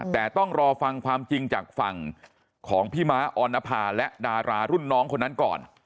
แต่ต้องรอฟังความจริงจากฝั่งของพี่ม้าออนภาและดารารุ่นน้องคนนั้นก่อน